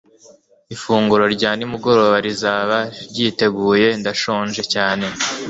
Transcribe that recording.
Ifunguro rya nimugoroba rizaba ryiteguye Ndashonje cyane